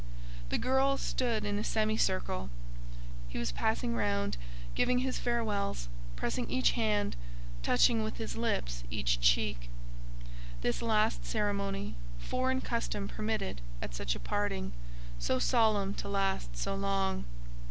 The girls stood in a semicircle; he was passing round, giving his farewells, pressing each hand, touching with his lips each cheek. This last ceremony, foreign custom permitted at such a parting—so solemn, to last so long.